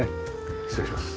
失礼します。